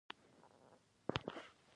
سترګې مې تخېږي؛ ورته کتلای نه سم.